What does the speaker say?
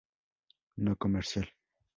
No Comercial.